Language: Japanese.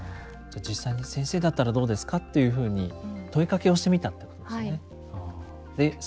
じゃあ実際に先生だったらどうですか？っていうふうに問いかけをしてみたってことですね。